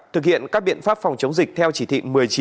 thực hiện các biện pháp phòng chống dịch theo chỉ thị một mươi chín